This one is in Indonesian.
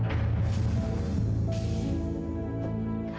tidak akan pernah